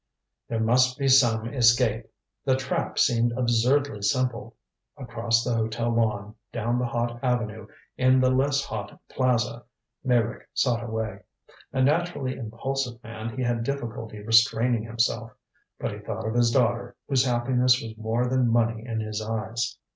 There must be some escape. The trap seemed absurdly simple. Across the hotel lawn, down the hot avenue, in the less hot plaza, Meyrick sought a way. A naturally impulsive man, he had difficulty restraining himself. But he thought of his daughter, whose happiness was more than money in his eyes.